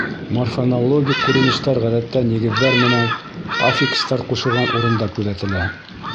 Морфонологик күренештәр ғәҙәттә нигеҙҙәр менән аффикстар ҡушылған урында күҙәтелә.